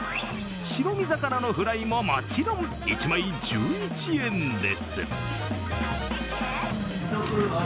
白身魚のフライも、もちろん１枚１１円です。